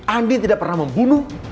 andin tidak pernah membunuh